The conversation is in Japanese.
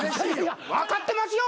分かってますよ！